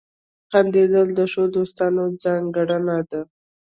• خندېدل د ښو دوستانو ځانګړنه ده.